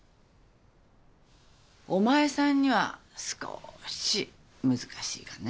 お前さんにはすこーし難しいかね。